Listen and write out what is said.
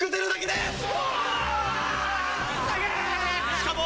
しかも。